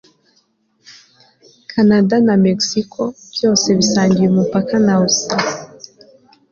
kanada na mexico byombi bisangiye umupaka na usa